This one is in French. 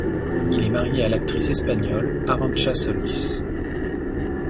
Il est marié à l'actrice espagnole Arancha Solis.